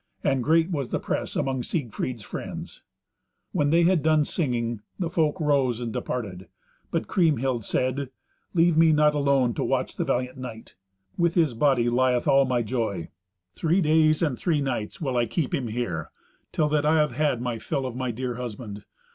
And great was the press among Siegfried's friends. When they had done singing, the folk rose and departed; but Kriemhild said, "Leave me not alone to watch the valiant knight. With his body lieth all my joy. Three days and three nights will I keep him here, till that I have had my fill of my dear husband.